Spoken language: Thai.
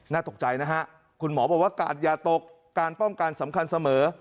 ตกใจนะฮะคุณหมอบอกว่ากาดอย่าตกการป้องกันสำคัญเสมอ